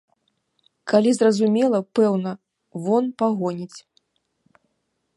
Калі зразумела, пэўна, вон пагоніць.